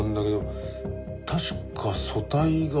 確か組対が。